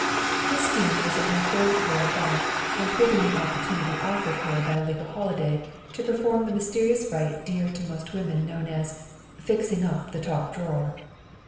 Christine was in her third floor back, improving the opportunity offered her by a legal holiday to perform the mysterious rite dear to most women known as " fix ing up the top drawer.